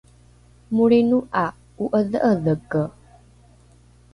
molrino ’a o’edhe’edheke